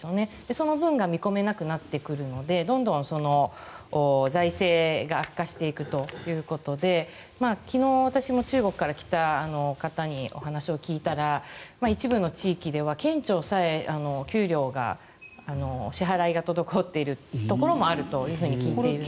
その分が見込めなくなってくるのでどんどん財政が悪化していくということで昨日、私も中国から来た方にお話を聞いたら一部の地域では県庁さえ給料が支払いが滞っているところがあると聞いているので。